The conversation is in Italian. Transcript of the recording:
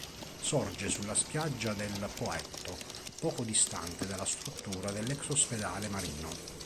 Sorge sulla spiaggia del Poetto, poco distante dalla struttura dell'ex Ospedale Marino.